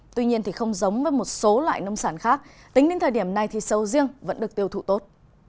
tuy nhiên không giống với một số loại nông sản khác tính đến thời điểm này thì sầu riêng vẫn được tiêu thụ tốt